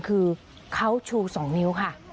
คือเขาชู๒นิ้วค่ะ